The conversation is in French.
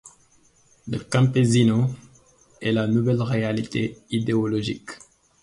Le "Campésino" est la nouvelle réalité idéologique